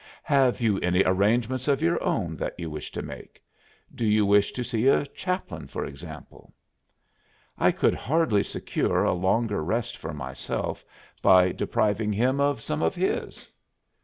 "Have you any arrangements of your own that you wish to make? Do you wish to see a chaplain, for example?" "I could hardly secure a longer rest for myself by depriving him of some of his."